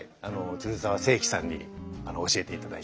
鶴澤清馗さんに教えていただいて。